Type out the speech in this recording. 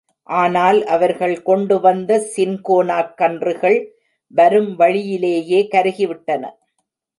ஆனால் அவர்கள் கொண்டுவந்த சின்கோனாக் கன்றுகள் வரும் வழியிலேயே கருகிவிட்டன.